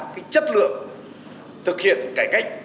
cái chất lượng thực hiện cải cách